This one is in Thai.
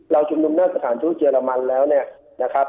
ชุมนุมหน้าสถานทูตเยอรมันแล้วเนี่ยนะครับ